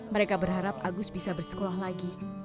mereka berharap agus bisa bersekolah lagi